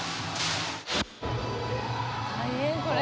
大変これ。